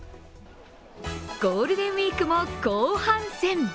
ゴールデンウイークも後半戦。